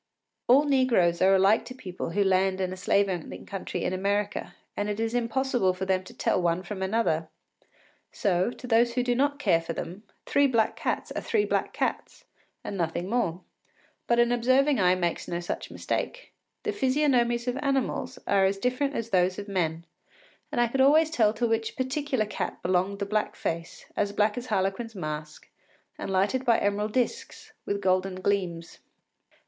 All negroes are alike to people who land in a slave owning country in America, and it is impossible for them to tell one from another. So, to those who do not care for them, three black cats are three black cats and nothing more. But an observing eye makes no such mistake. The physiognomies of animals are as different as those of men, and I could always tell to which particular cat belonged the black face, as black as Harlequin’s mask, and lighted by emerald disks with golden gleams.